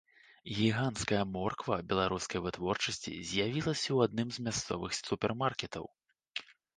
Гіганцкая морква беларускай вытворчасці з'явілася ў адным з мясцовых супермаркетаў.